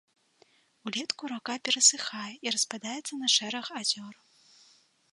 Улетку рака перасыхае і распадаецца на шэраг азёр.